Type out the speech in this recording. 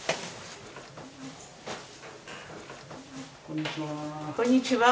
こんにちは。